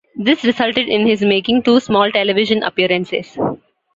This resulted in his making two small television appearances.